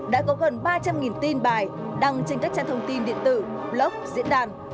đã có gần ba trăm linh tin bài đăng trên các trang thông tin điện tử blog diễn đàn